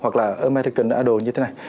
hoặc là american idol như thế này